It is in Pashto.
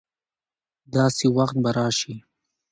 داسي وخت به راشي